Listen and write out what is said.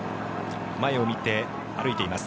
前を見て歩いています。